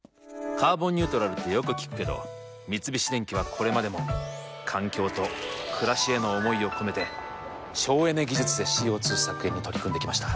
「カーボンニュートラル」ってよく聞くけど三菱電機はこれまでも環境と暮らしへの思いを込めて省エネ技術でＣＯ２削減に取り組んできました。